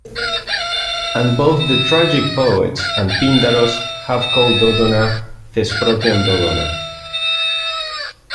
And both the tragic poets and Pindaros have called Dodona 'Thesprotian Dodona.